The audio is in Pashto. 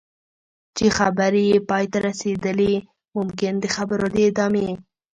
چې خبرې یې پای ته رسېدلي ممکن د خبرو د ادامې.